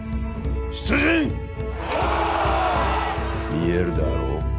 見えるであろう？